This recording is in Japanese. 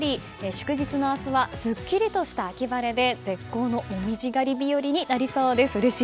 祝日の明日はすっきりとした秋晴れで絶好の紅葉狩り日和になりそうです。